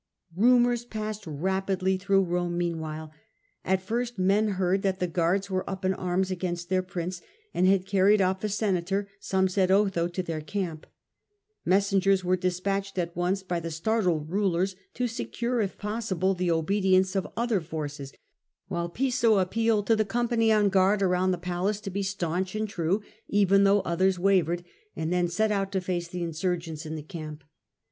Rumours passed rapidly through Rome meanwhile. At first men heard that the guards were up in anns against their prince and had carried off a senator, some said Otho, to their camp. Mes nu^rs^ sengers were dispatched at once by the startled rulers to secure if possible the obedience of through the other forces, while Piso appealed to the company on guard around the palace to be staunch and true even though others wavered, and then set out to face the insurgents in the camp.